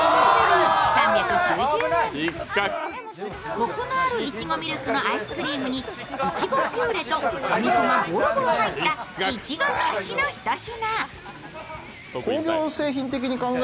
こくのあるいちごミルクのアイスクリームにいちごピューレと果肉がゴロゴロ入ったいちご尽くしのひと品。